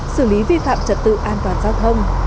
xử lý vi phạm trật tự an toàn giao thông